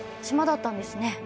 島だったんですね。